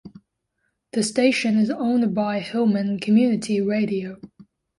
The station is owned by Hillman Community Radio.